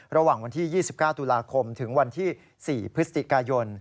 ระหว่างวันที่๒๙ตุลาคมถึงวันที่๔พฤศจิกายน